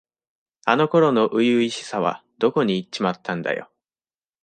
あの頃の初々しさはどこにいっちまったんだよ。